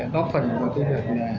đó phần của chúng ta